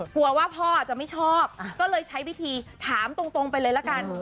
กลัวว่าพ่อจะไม่ชอบก็เลยใช้วิธีถามตรงไปเลยละกัน